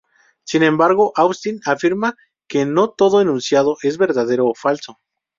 Sin embargo Austin afirma que no todo enunciado es verdadero o falso.